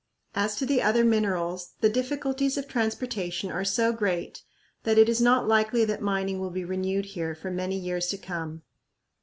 As to the other minerals, the difficulties of transportation are so great that it is not likely that mining will be renewed here for many years to come.